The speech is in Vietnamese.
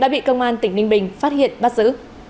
đã bị công an tỉnh ninh bình phát hiện bắt giữ